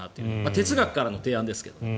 哲学からの提案ですが。